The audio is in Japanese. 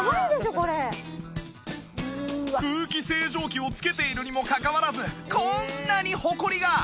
空気清浄機をつけているにもかかわらずこんなにホコリが！